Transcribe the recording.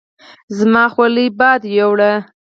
زما حولی باد ويوړه